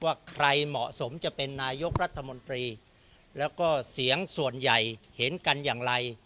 ว่าใครเหมาะสมจะเป็นนายกรัฐมนตรีแล้วก็เสียงส่วนใหญ่เห็นกันอย่างไร